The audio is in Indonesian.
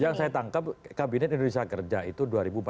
yang saya tangkap kabinet indonesia kerja itu dua ribu empat belas